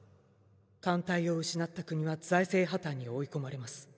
艦隊を失った国は財政破綻に追い込まれます。